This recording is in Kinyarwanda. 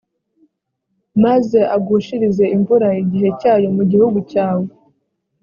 maze agushirize imvura igihe cyayo mu gihugu cyawe,